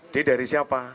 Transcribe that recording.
d dari siapa